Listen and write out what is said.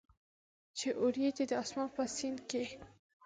چې اوریځي د اسمان په سیند کې،